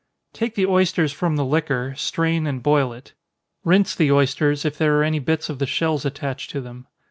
_ Take the oysters from the liquor, strain and boil it. Rinse the oysters, if there are any bits of the shells attached to them.